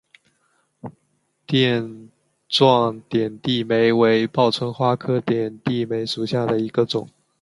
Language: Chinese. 垫状点地梅为报春花科点地梅属下的一个种。